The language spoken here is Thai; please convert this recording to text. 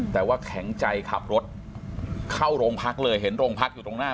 แต่ว่าแข็งใจขับรถเข้าโรงพักเลยเห็นโรงพักอยู่ตรงหน้า